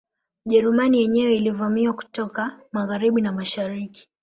Ujerumani yenyewe ilivamiwa kutoka Magharibi na mashariki